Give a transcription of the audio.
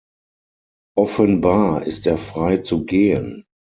Offenbar ist er frei zu gehen.